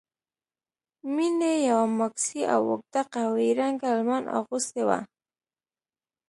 مينې يوه ماکسي او اوږده قهويي رنګه لمن اغوستې وه.